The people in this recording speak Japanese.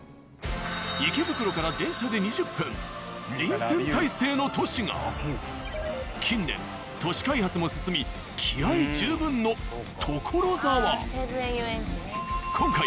池袋から電車で２０分臨戦態勢の都市が近年都市開発も進み気合い十分の西武園ゆうえんちね。